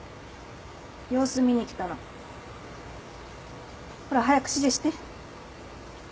様子見に来たの。ほら早く指示して。